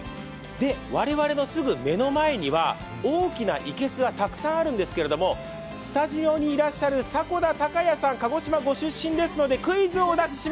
我々のすぐ目の前には大きな生けすがたくさんあるんですけれどもスタジオにいらっしゃる迫田孝也さん、鹿児島ご出身ですので任せて！